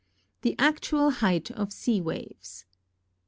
THE ACTUAL HEIGHT OF SEA WAVES.